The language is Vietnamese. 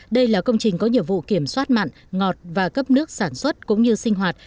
đây là công trình có nhiệm vụ kiểm soát mặn ngọt và cấp nước sản xuất cũng như sinh hoạt